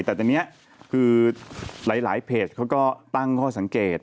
แต่ตอนนี้คือหลายเพจเขาก็ตั้งข้อสังเกต